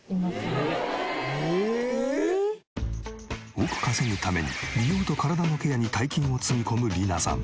億稼ぐために美容と体のケアに大金をつぎ込むリナさん。